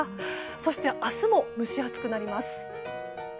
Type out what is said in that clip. そして明日も蒸し暑くなります。